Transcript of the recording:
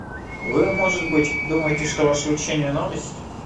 Вы, может быть, думаете, что ваше учение новость?